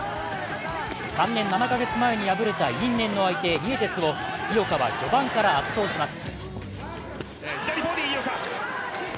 ３年７カ月前に敗れた因縁の相手、ニエテスを井岡は序盤から圧倒します。